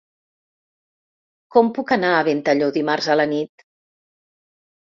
Com puc anar a Ventalló dimarts a la nit?